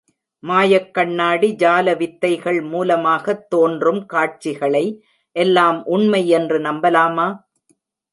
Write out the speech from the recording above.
மாயக் கண்ணாடி ஜால வித்தைகள் மூலமாகத் தோன்றும் காட்சிகளை எல்லாம் உண்மை என்று நம்பலாமா?